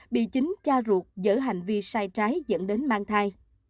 và hành vi sai trái dẫn đến mang thai